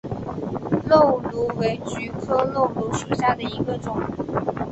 漏芦为菊科漏芦属下的一个种。